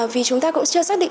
vì chúng ta cũng chưa xác định